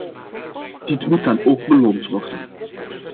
Dit moet dan ook beloond worden.